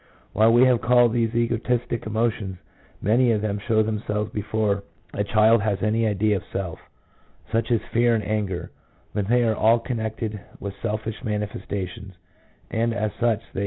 While we have called these egotistic emotions, many of them show themselves before a child has any idea of self, such as fear and anger ; but they are all con nected with selfish manifestations, and as such they appear first and last longest.